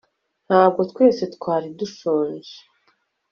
ntabwo twese twari dushonje